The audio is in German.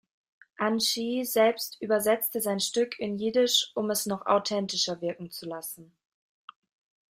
An-Ski selbst übersetzte sein Stück ins Jiddische, um es noch authentischer wirken zu lassen.